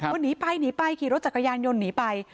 ว่านีไปขี่รถจักรยานยนต์หนีไป